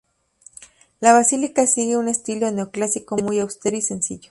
La basílica sigue un estilo neoclásico muy austero y sencillo.